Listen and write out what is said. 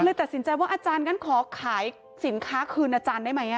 เลยตัดสินใจว่าอาจารย์งั้นขอขายสินค้าคืนอาจารย์ได้ไหม